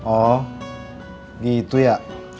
oh gitu ya